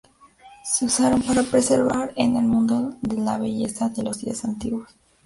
Se usaron para preservar en el mundo la belleza de los Días Antiguos.